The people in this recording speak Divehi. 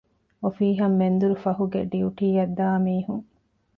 އޮފީހަށް މެންދުރުފަހުގެ ޑިޔުޓީއަށް ދާމީހުން